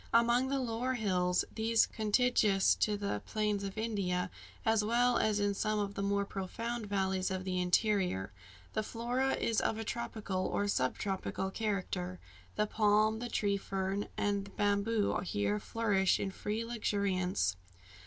Among the lower hills those contiguous to the plains of India as well as in some of the more profound valleys of the interior the flora is of a tropical or subtropical character. The palm, the tree fern, and bamboo here flourish in free luxuriance.